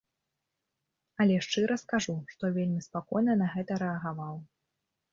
Але шчыра скажу, што вельмі спакойна на гэта рэагаваў.